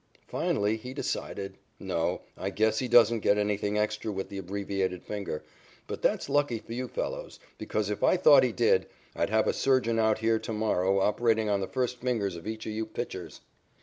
Finally he decided: "No, I guess he doesn't get anything extra with the abbreviated finger, but that's lucky for you fellows, because, if I thought he did, I'd have a surgeon out here to morrow operating on the first fingers of each of you pitchers."